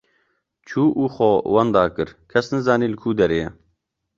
Çû û xwe wenda kir, kes nizane li ku derê ye.